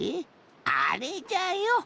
あれじゃよ